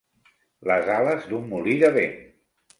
Les ales d'un molí de vent.